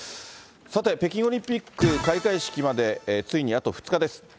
さて、北京オリンピック開会式までついにあと２日です。